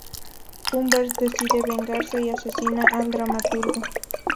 Humbert decide vengarse y asesina al dramaturgo.